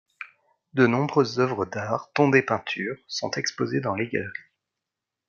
De nombreuses œuvres d'art, dont des peintures, sont exposées dans les galeries.